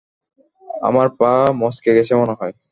আমার পা মচকে গেছে মনে হয়।